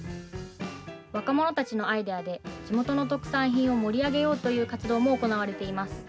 若者たちのアイデアで地元の特産品を盛り上げようという活動も行われています。